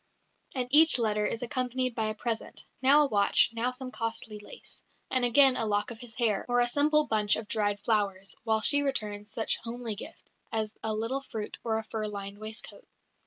And each letter is accompanied by a present now a watch, now some costly lace, and again a lock of his hair, or a simple bunch of dried flowers, while she returns some such homely gift as a little fruit or a fur lined waistcoat.